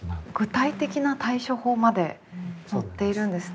具体的な対処法まで載っているんですね。